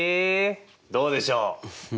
どうでしょう？